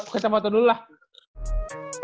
kita foto dulu lah